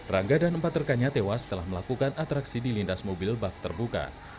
rangga dan empat rekannya tewas setelah melakukan atraksi di lintas mobil bak terbuka